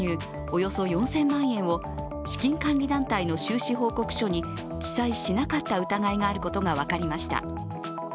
およそ４０００万円を資金管理団体の収支報告書に記載しなかった疑いがあることが分かりました。